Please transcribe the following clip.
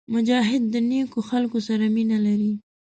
مجاهد د نیکو خلکو سره مینه لري.